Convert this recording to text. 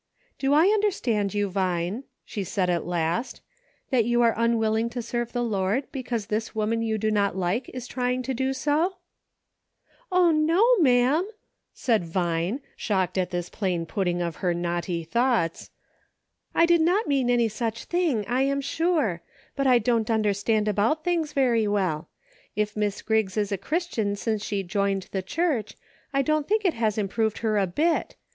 "Do I understand you, Vine," she said at last, " that you are unwilling to serve the Lord because this woman you do not like is trying to do so .?" "O, no, ma'am," said Vine, shocked at this plain putting of her naughty thoughts ;" I did not mean any such thing, I am sure ; but I don't understand about things very well. If Mrs. Griggs is a Chris tian since she joined the church, I don't think it has improved her a bit.